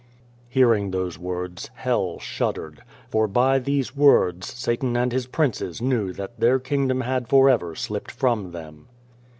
Hearing these words, Hell shuddered, for by these words Satan and his princes knew that their kingdom had for ever slipped from them.